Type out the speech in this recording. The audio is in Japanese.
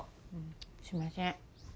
すみません。